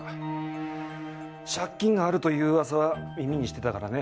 借金があるという噂は耳にしてたからね。